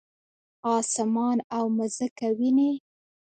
اسمان او مځکه وینې؟